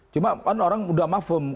cuma orang sudah mafum